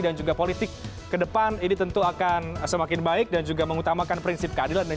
dan juga politik kedepan ini tentu akan semakin baik dan juga mengutamakan prinsip keadilan dan